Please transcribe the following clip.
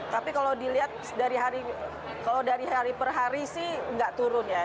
tapi kalau dilihat dari hari per hari sih nggak turun ya